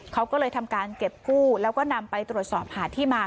เขาก็เลยทำการเก็บกู้แล้วก็นำไปตรวจสอบหาที่มา